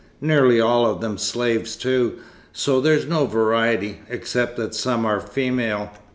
Nearly all of them slaves, too, so there's no variety, except that some are female.